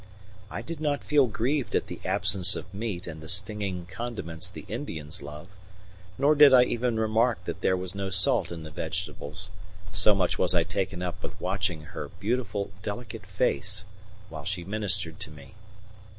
I did not feel grieved at the absence of meat and the stinging condiments the Indians love, nor did I even remark that there was no salt in the vegetables, so much was I taken up with watching her beautiful delicate face while she ministered to me.